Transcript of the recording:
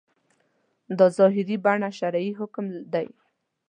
دا ظاهري بڼه شرعي احکام دي.